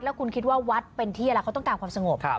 แล้วคุณคิดว่าวัดเป็นที่อะไรเขาต้องการความสงบ